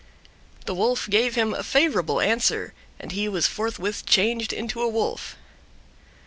The Wolf gave him a favorable answer, and he was forthwith changed into a wolf.